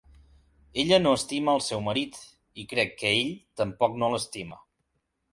Ella no estima el seu marit i crec que ell tampoc no l'estima.